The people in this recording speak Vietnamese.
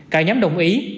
cả nhóm đồng ý